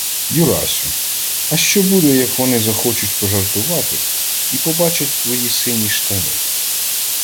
— Юрасю! А що буде, як вони захочуть пожартувати і побачать твої сині штани?